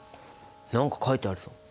何か書いてあるぞ。